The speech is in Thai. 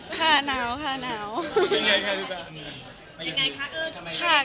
อย่างไรคะเอิ้น